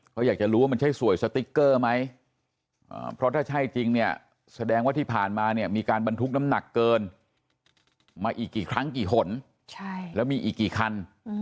เขาอยากจะรู้ว่ามันใช่สวยสติ๊กเกอร์ไหมเพราะถ้าใช่จริงเนี่ยแสดงว่าที่ผ่านมาเนี่ยมีการบรรทุกน้ำหนักเกินมาอีกกี่ครั้งกี่หนแล้วมีอีกกี่คัน